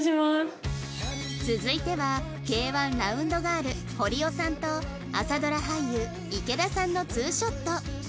続いては Ｋ−１ ラウンドガール堀尾さんと朝ドラ俳優池田さんの２ショット